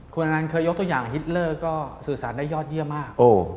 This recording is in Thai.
คุณอ๋อนานยกตัวอย่างฮิตเวร์สื่อสารได้ยอดเยี่ยมมาก